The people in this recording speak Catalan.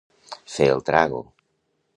Fer el trago.